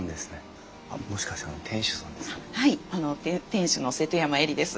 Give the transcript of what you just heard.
店主の瀬戸山江理です。